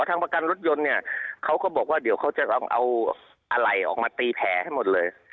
ทางประกันรถยนต์เนี่ยเขาก็บอกว่าเดี๋ยวเขาจะเอาอะไรออกมาตีแผลให้หมดเลย